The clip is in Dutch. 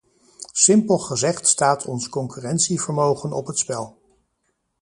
Simpel gezegd staat ons concurrentievermogen op het spel.